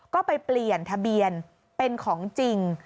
ก็ไปเปลี่ยนทะเบียนเป็นของจริง